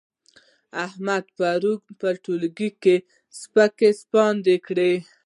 احمد يې پرون په ټولګي کې سپک سپاند کړ.